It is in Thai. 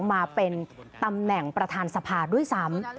มาเป็นตำแหน่งประธานสภาด้วยซ้ำ